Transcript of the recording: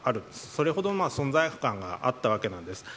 それほど存在感があったわけなんです。